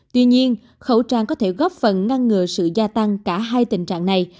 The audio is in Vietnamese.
tuy nhiên khẩu trang có thể góp phần ngăn ngừa sự gia tăng cả hai tình trạng này